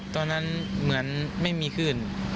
ตอนนั้นเหมือนไม่มีขึ้น